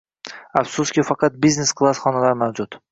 Afsuski, faqat biznes-klass xonalar mavjud.